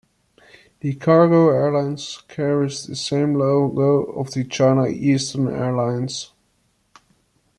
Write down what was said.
The cargo airline carries the same logo of China Eastern Airlines.